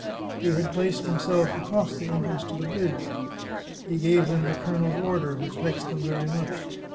He had placed himself across the entrance to the bridge. He gave them the colonel's order, which vexed them very much.